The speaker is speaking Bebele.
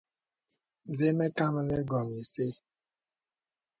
Və mə kàməlì wɔ̀ nə isə.